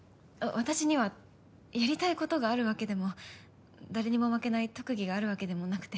私にはやりたいことがあるわけでも誰にも負けない特技があるわけでもなくて。